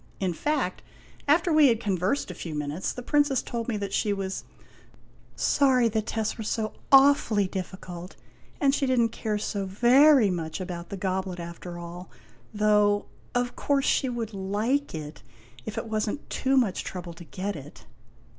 In fact, after we had conversed a few minutes, the Princess told me that she was "sorry the tests were so awfully difficult, and she did n't care so very much about the goblet after all, though, of course she would like it, if it was n't too much trouble to cret it."